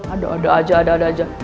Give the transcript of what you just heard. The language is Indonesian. ada ada aja ada ada aja